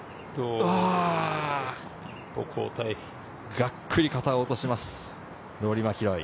がっくり肩を落とします。